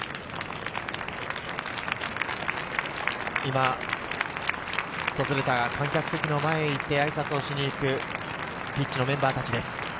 今、訪れた観客席の前に行ってあいさつをするピッチのメンバー達です。